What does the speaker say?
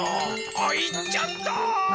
あっいっちゃった！